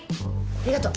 ありがとう。